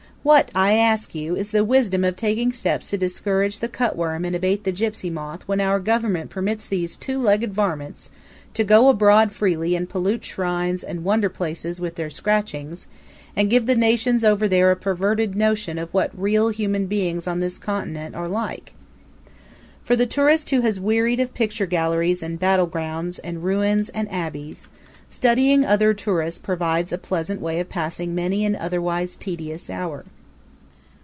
What, I ask you, is the wisdom of taking steps to discourage the cutworm and abate the gypsy moth when our government permits these two legged varmints to go abroad freely and pollute shrines and wonderplaces with their scratchings, and give the nations over there a perverted notion of what the real human beings on this continent are like? For the tourist who has wearied of picture galleries and battlegrounds and ruins and abbeys, studying other tourists provides a pleasant way of passing many an otherwise tedious hour.